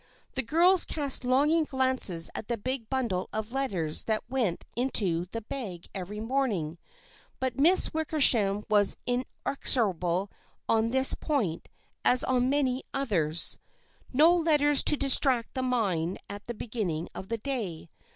The girls cast longing glances at the big bundle of letters that went into the bag every morning, but Miss Wick ersham was inexorable on this point as on many others. No letters to distract the mind at the beginning of the day.